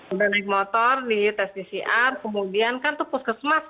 udah naik motor di tes pcr kemudian kan itu puskesmas